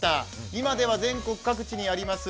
今では全国各地にあります